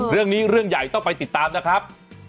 เรื่องใหญ่ต้องไปติดตามนะครับ